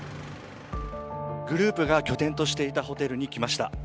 グループが拠点としていたホテルに来ました。